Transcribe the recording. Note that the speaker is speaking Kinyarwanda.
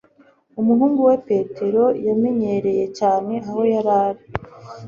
Umuhungu we Petero yamenyereye cyane aho yari ari